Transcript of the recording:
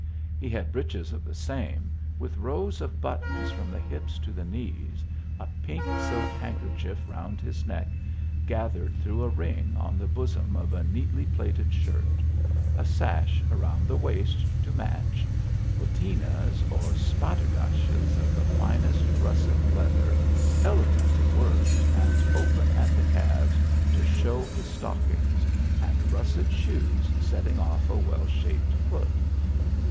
He had breeches of the same, with rows of buttons from the hips to the knees ; a pink silk handkerchief round his neck, gathered through a ring, on the bosom of a neatly plaited shirt ; a sash round the waist to match ; bot 24 TEE ALHAMBEA. tinas or spatterdashes of the finest russet leather, elegantly worked and open at the calves to show his stockings, and russet shoes setting off a well shaped foot.